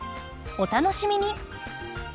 お楽しみに。